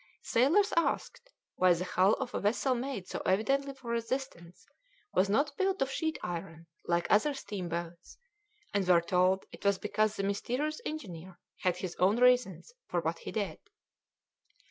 Sailors asked why the hull of a vessel made so evidently for resistance was not built of sheet iron like other steamboats, and were told it was because the mysterious engineer had his own reasons for what he did.